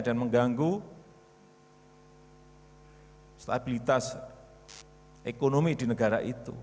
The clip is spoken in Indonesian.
dan mengganggu stabilitas ekonomi di negara itu